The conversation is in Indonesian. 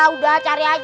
udah cari aja dulu